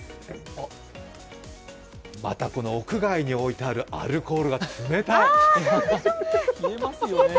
またこの屋外に置いてあるアルコールが冷たい！